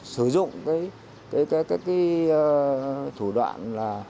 sử dụng các thủ đoạn